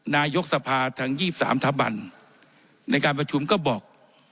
นายกสภาทางยี่สามทะบันในการประชุมก็บอก